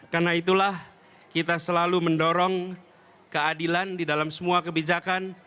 karena itulah kita selalu mendorong keadilan di dalam semua kebijakan